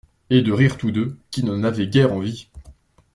Et de rire tous deux, qui n'en avaient guère envie.